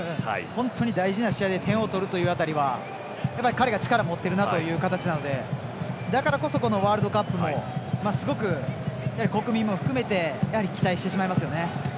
本当に大事な試合で点を取るという辺りは彼が力を持っているなという感じなのでだからこそワールドカップもすごく国民も含めて期待してしまいますよね。